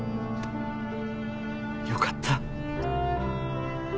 よかった。